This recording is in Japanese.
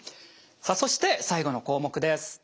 さあそして最後の項目です。